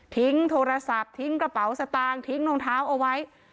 โทรศัพท์ทิ้งกระเป๋าสตางค์ทิ้งรองเท้าเอาไว้